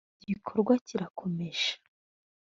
igikorwa kirakomeje